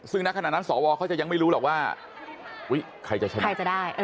ซึ่งณขณะนั้นสวเขาจะยังไม่รู้หรอกว่าใครจะชนะใครจะได้